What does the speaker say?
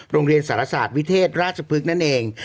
โรงเรียนสารศาสตร์วิเทศราชพฤกษ์นั่นเอง